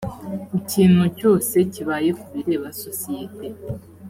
ikintu cyose kibaye ku bireba sosiyete